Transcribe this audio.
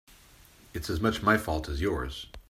It's as much my fault as yours.